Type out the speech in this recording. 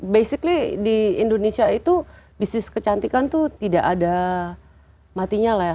basically di indonesia itu bisnis kecantikan itu tidak ada matinya lah ya